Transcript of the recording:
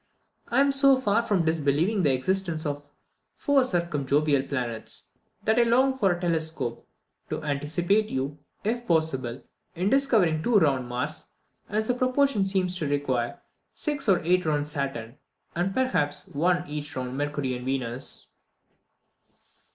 I am so far from disbelieving the existence of the four circumjovial planets, that I long for a telescope, to anticipate you, if possible, in discovering two round Mars, as the proportion seems to require, six or eight round Saturn, and perhaps one each round Mercury and Venus."